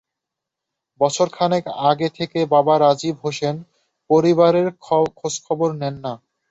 বছর খানেক আগে থেকে বাবা রাজীব হোসেন পরিবারের খোঁজখবর নেন না।